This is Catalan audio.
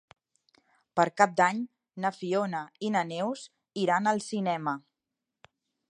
Per Cap d'Any na Fiona i na Neus iran al cinema.